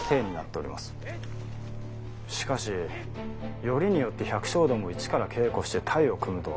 しかしよりによって百姓どもを一から稽古して隊を組むとは。